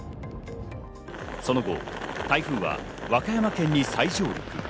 その後、台風は和歌山県に再上陸。